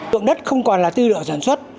thuận đất không còn là tư lượng sản xuất